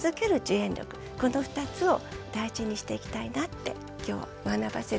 この２つを大事にしていきたいなって今日は学ばせて頂きました。